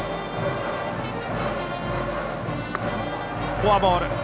フォアボール。